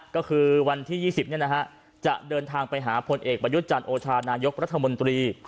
ก็คือวันที่ยี่สิบนะฮะจะเดินทางไปหาผลเอกบรรยุจรรย์โทษานายกรัฐมนตรี